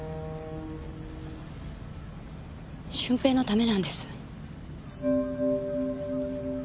駿平のためなんです。